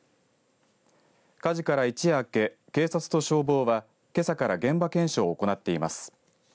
火事から一夜明け警察と消防はけさから現場検証を行っています。